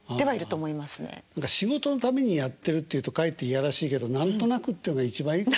仕事のためにやってるっていうとかえって嫌らしいけど何となくっていうのが一番いいかも。